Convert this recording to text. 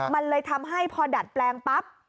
มันเลยทำให้พอดัดแปลงปั๊บ